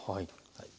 はい。